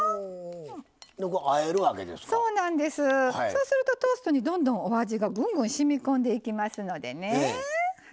そうするとトーストにどんどんお味がぐんぐんしみ込んでいきますのでね。